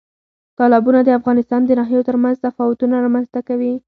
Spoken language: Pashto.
تالابونه د افغانستان د ناحیو ترمنځ تفاوتونه رامنځ ته کوي.